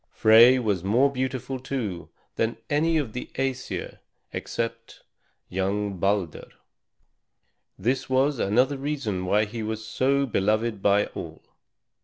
Frey was more beautiful, too, than any of the Æsir except young Balder. This was another reason why he was so beloved by all.